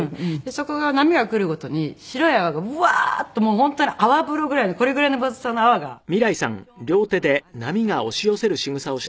そこが波が来るごとに白い泡がブワーッともう本当に泡風呂ぐらいのこれぐらいの分厚さの泡が表面にある波が押し寄せてくるんですよ。